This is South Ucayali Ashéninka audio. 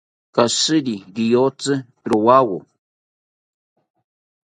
Koshiri rioyotsi rowawo